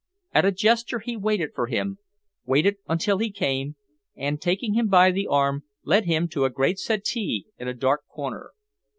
At a gesture he waited for him, waited until he came, and, taking him by the arm, led him to a great settee in a dark corner.